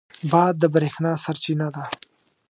باد د برېښنا سرچینه ده.